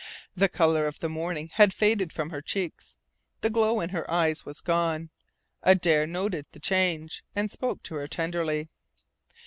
The colour of the morning had faded from her cheeks. The glow in her eyes was gone. Adare noted the change, and spoke to her tenderly.